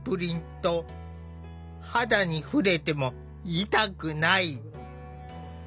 肌に触れても痛くない！